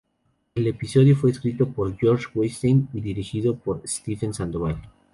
El episodio fue escrito por Josh Weinstein y dirigido por Stephen Sandoval.